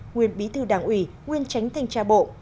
nguyên bí thư đảng ủy nguyên tránh thanh tra bộ